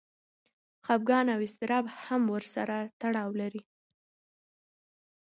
خپګان او اضطراب هم ورسره تړاو لري.